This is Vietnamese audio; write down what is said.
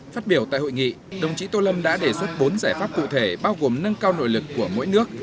phát biểu tại hội nghị đồng chí tô lâm đã đề xuất bốn giải pháp cụ thể bao gồm nâng cao nội lực của mỗi nước